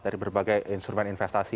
dari berbagai instrumen investasi